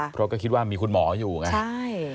เพราะก็คิดว่ามีคุณหมออยู่ไงใช่